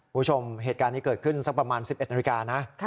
คุณผู้ชมเหตุการณ์นี้เกิดขึ้นสักประมาณ๑๑นาฬิกานะ